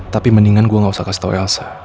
tapi mendingan gue gak usah kasih tau elsa